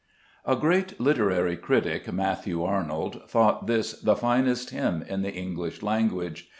A great literary critic (Matthew Arnold) thought this the finest hymn in the English language.